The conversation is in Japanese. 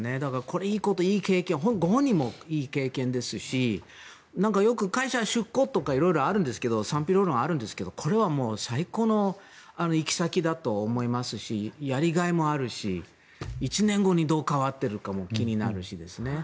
本当にいい経験ご本人もいい経験ですしよく会社の出向とか賛否両論あるんですがこれは最高の行き先だと思いますしやりがいもあるし１年後にどう変わっているかも気になるしですね。